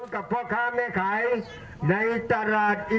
คุณสาธารณี